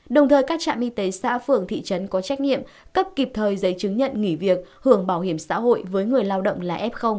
đồng thời các trạm y tế xã phường thị trấn có trách nhiệm cấp kịp thời giấy chứng nhận nghỉ việc hưởng bảo hiểm xã hội với người lao động là f